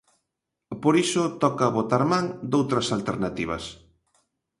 Por iso toca botar man doutras alternativas.